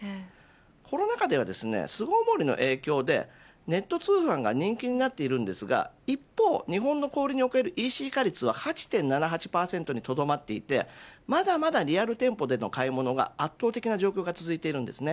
コロナ禍ではですね巣ごもりの影響でネット通販が人気になっていますが一方、日本の小売りにおけるＥＣ化率は８．７８％にとどまっていてまだまだリアル店舗での買い物が圧倒的な状況が続いています。